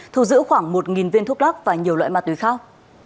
thu giữ khoảng một viên thuốc lắc và nhiều loại ma túy khác